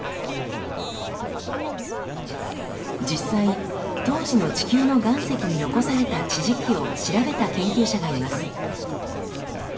実際当時の地球の岩石に残された地磁気を調べた研究者がいます。